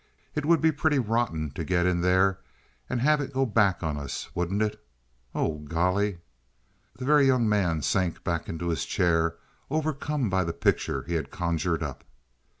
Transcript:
It would be pretty rotten to get in there and have it go back on us, wouldn't it? Oh, golly!" The Very Young Man sank back in his chair overcome by the picture he had conjured up.